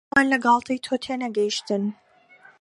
ئەوان لە گاڵتەی تۆ تێنەگەیشتن.